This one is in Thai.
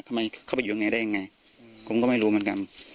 เข้าไปอยู่ตรงนี้ได้ยังไงผมก็ไม่รู้เหมือนกัน